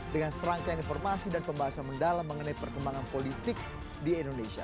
dengan serangkaian informasi dan pembahasan mendalam mengenai perkembangan politik di indonesia